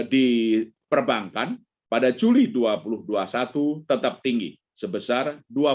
di perbankan pada juli dua ribu dua puluh satu tetap tinggi sebesar dua puluh empat lima puluh tujuh